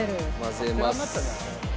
混ぜます。